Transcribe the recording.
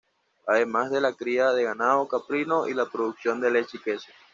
Además de la cría de ganado caprino y la producción de leche y queso.